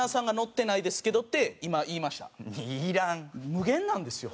無限なんですよ。